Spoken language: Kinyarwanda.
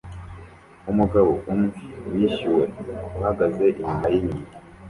Umugabo umwe wishyuwe uhagaze inyuma yinyuma